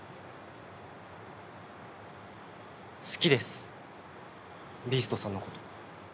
好きですビーストさんのこと。